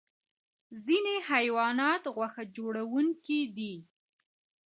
ځینې حیوانات غوښه خوړونکي دي